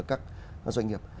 các doanh nghiệp